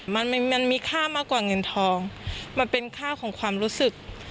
มันมันมีค่ามากกว่าเงินทองมันเป็นค่าของความรู้สึก